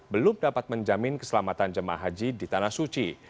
belum dapat menjamin keselamatan jemaah haji di tanah suci